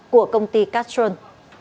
của công ty cắt trôn